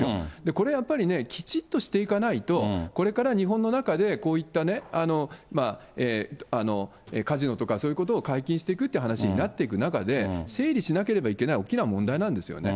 これやっぱりね、きちっとしていかないと、これから日本の中で、こういったカジノとか、そういうことを解禁していくっていう話になっていく中で、整理しなければいけない大きな問題なんですよね。